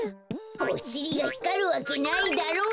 おしりがひかるわけないだろう。